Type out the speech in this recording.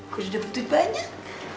gua udah butuhin banyak